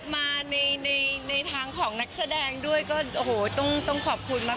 มาในทางของนักแสดงด้วยก็โอ้โหต้องขอบคุณมาก